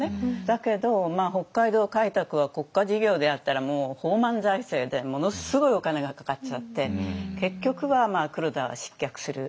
だけど北海道開拓は国家事業でやったらもう放漫財政でものすごいお金がかかっちゃって結局は黒田は失脚する。